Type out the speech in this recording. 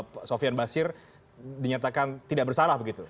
pak sofian basir dinyatakan tidak bersalah begitu